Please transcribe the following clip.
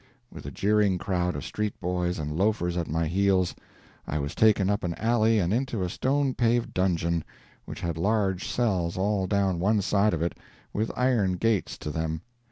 With a jeering crowd of street boys and loafers at my heels, I was taken up an alley and into a stone paved dungeon which had large cells all down one side of it, with iron gates to them.